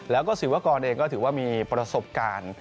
แล้วก็ศิวากรเองก็ถือว่ามีประสบการณ์